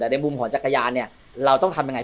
แต่ในมุมของจักรยานเนี่ยเราต้องทำยังไง